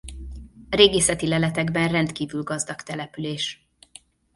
Régészeti leletekben rendkívül gazdag település.